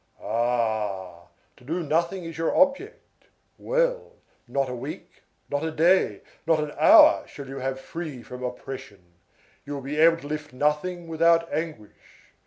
Ah! To do nothing is your object. Well, not a week, not a day, not an hour shall you have free from oppression. You will be able to lift nothing without anguish.